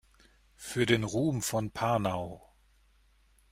Für den Ruhm von Panau!